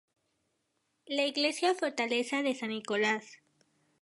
La iglesia-fortaleza de San Nicolás.